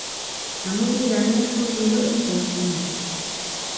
Amu ki kang'et ko ki ru eng chokchinet